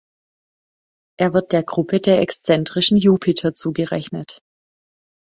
Er wird der Gruppe der Exzentrischen Jupiter zugerechnet.